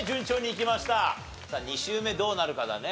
さあ２周目どうなるかだね。